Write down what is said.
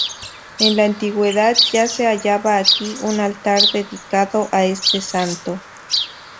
En la antigüedad ya se hallaba aquí un altar dedicado a este santo.